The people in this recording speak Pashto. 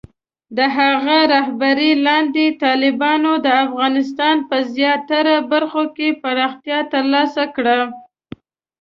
د هغه رهبرۍ لاندې، طالبانو د افغانستان په زیاتره برخو کې پراختیا ترلاسه کړه.